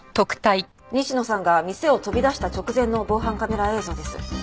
西野さんが店を飛び出した直前の防犯カメラ映像です。